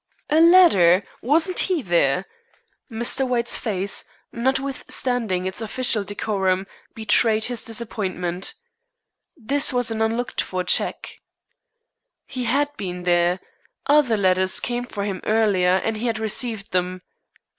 "A letter! Wasn't he there?" Mr. White's face, notwithstanding its official decorum, betrayed its disappointment. This was an unlooked for check. "He had been there. Other letters came for him earlier, and he had received them."